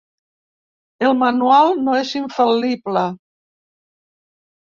El manual no és infal·lible.